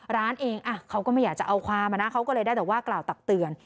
ร้านเองเขาก็ไม่อยากจะเอาความนะเขาก็เลยได้แต่ว่ากล่าวตักเตือน